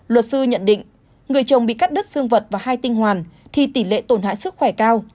luật sư nhận định người chồng bị cắt đứt xương vật và hai tinh hoàn thì tỷ lệ tổn hại sức khỏe cao